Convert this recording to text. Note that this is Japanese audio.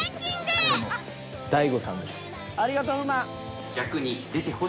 ありがとう風磨。